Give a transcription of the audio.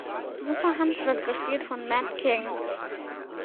Super-Hans wird gespielt von Matt King.